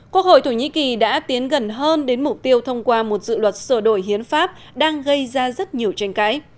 quốc hội thổ nhĩ kỳ đã tiến gần hơn đến mục tiêu thông qua một dự luật sửa đổi hiến pháp đang gây ra rất nhiều tranh cãi